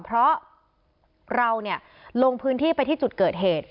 เพราะเราลงพื้นที่ไปที่จุดเกิดเหตุ